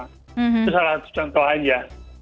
itu salah satu contoh aja